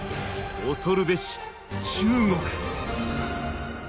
恐るべし中国！